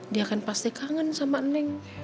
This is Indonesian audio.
dia kan pasti kangen sama neng